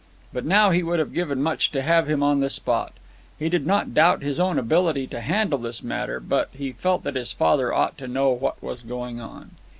But now he would have given much to have him on the spot. He did not doubt his own ability to handle this matter, but he felt that his father ought to know what was going on.